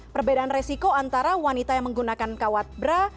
perbedaan resiko antara wanita yang menggunakan kawat bra